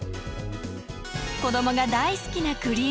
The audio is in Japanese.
子どもが大好きなクリーム風味。